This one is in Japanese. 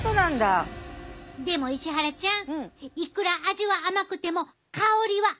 でも石原ちゃんいくら味は甘くても香りは甘くないわな。